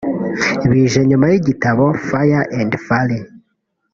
bije nyuma y’igitabo ‘Fire and Fury